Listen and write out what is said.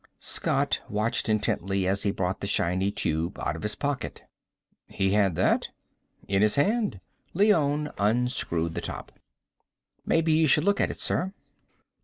Scott watched intently as he brought the shiny tube out of his pocket. "He had that?" "In his hand." Leone unscrewed the top. "Maybe you should look at it, sir."